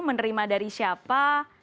menerima dari siapa